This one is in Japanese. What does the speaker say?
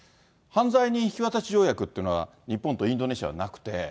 犯罪人引き渡し条約というのは日本とインドネシアはなくて。